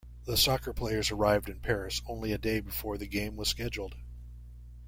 The soccer players arrived in Paris only a day before the game was scheduled.